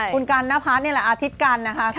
คุณกัณฑัฐนี่แหละทิศกัณฑ์นะคะ